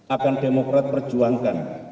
akan demokrat perjuangkan